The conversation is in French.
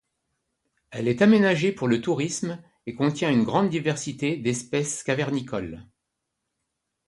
Elle est aménagée pour le tourisme et contient une grande diversité d'espèces cavernicoles.